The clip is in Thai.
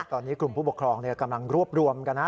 ตอนนี้กลุ่มผู้ปกครองกำลังรวบรวมกันนะ